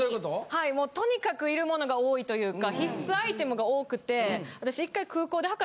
はいもうとにかく要る物が多いというか必須アイテムが多くて私一回。